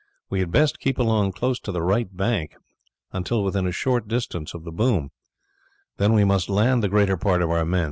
"We had best keep along close to the right bank until within a short distance of the boom; then we must land the greater part of our men.